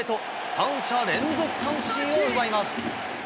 ３者連続三振を奪います。